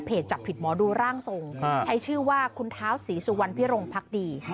จับผิดหมอดูร่างทรงใช้ชื่อว่าคุณเท้าศรีสุวรรณพิรมพักดี